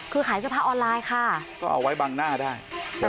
คือขายเสื้อผ้าออนไลน์ค่ะก็เอาไว้บังหน้าได้